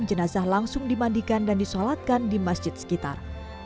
jenazah langsung dimandikan dan disolatkan di masjid sekitar